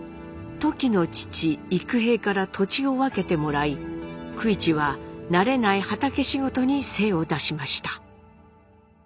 トキの父幾平から土地を分けてもらい九一は慣れない畑仕事に精を出しました。